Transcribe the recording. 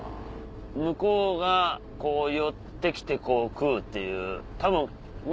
向こうがこう寄って来てこう食うっていう。